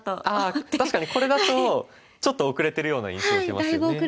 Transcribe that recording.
ああ確かにこれだとちょっと後れてるような印象を受けますよね。